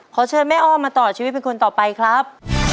ขอเชิญแม่อ้อมมาต่อชีวิตเป็นคนต่อไปครับ